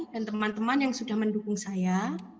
dan teman teman yang sudah mendukung saya